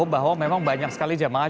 bahwa memang banyak sekali jemaah